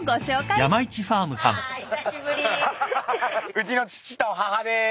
うちの父と母です。